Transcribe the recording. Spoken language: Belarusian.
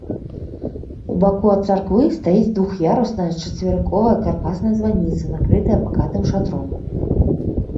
У баку ад царквы стаіць двух'ярусная чацверыковая каркасная званіца, накрытая пакатым шатром.